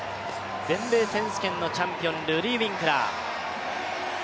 全米選手権のチャンピオンルディー・ウィンクラー。